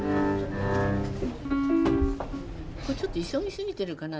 これちょっと急ぎすぎてるかな。